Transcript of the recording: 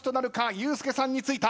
ユースケさんについた。